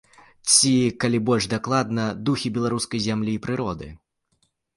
Ці, калі больш дакладна, духі беларускай зямлі і прыроды.